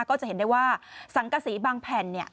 ก็จะเห็นได้ว่าสังกษีบางแผ่นเนี่ย